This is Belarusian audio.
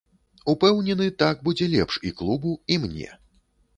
Упэўнены, так будзе лепш і клубу, і мне.